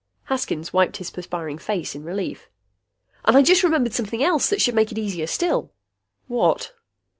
Haskins wiped his perspiring face in relief. "And I just remembered something else that should make it easier still." "What?"